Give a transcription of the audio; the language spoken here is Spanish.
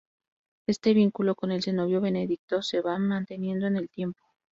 Este vínculo con el cenobio benedictino se va manteniendo en el tiempo.